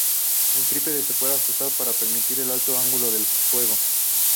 El trípode se puede ajustar para permitir un alto ángulo de fuego.